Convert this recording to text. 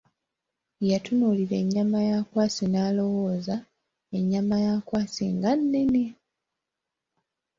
Yatunuulira ennyama ya Akwasi n'alowooza, ennyama ya Akwasi nga nenne!